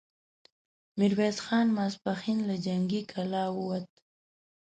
ميرويس خان ماسپښين له جنګي کلا ووت،